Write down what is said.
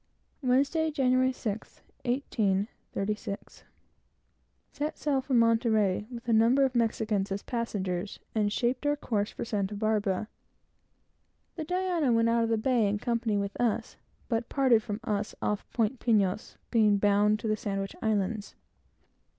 Wednesday, January 6th. Set sail from Monterey, with a number of Spaniards as passengers, and shaped our course for Santa Barbara. The Diana went out of the bay in company with us, but parted from us off Point Pinos, being bound to the Sandwich Islands.